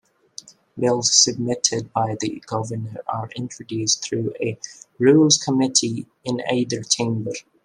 Bills submitted by the governor are introduced through a Rules Committee in either chamber.